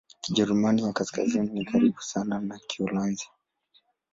Kijerumani ya Kaskazini ni karibu sana na Kiholanzi.